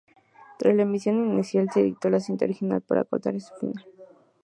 Tras la emisión inicial, se editó la cinta original para cortar ese final.